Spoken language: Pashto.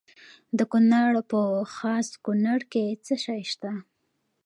د کونړ په خاص کونړ کې څه شی شته؟